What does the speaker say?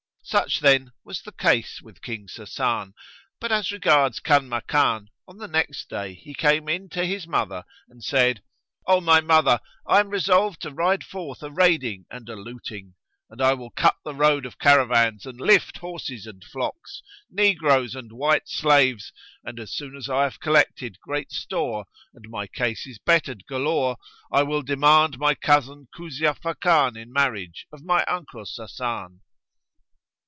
Such, then, was the case with King Sasan; but as regards Kanmakan, on the next day he came in to his mother and said, "O my mother! I am resolved to ride forth a raiding and a looting: and I will cut the road of caravans and lift horses and flocks, negroes and white slaves and, as soon as I have collected great store and my case is bettered galore, I will demand my cousin Kuzia Fakan in marriage of my uncle Sasan."